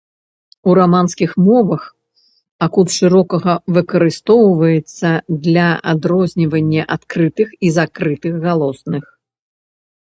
У раманскіх мовах акут шырока выкарыстоўваецца для адрознівання адкрытых і закрытых галосных.